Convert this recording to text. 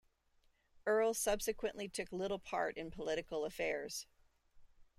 Earle subsequently took little part in political affairs.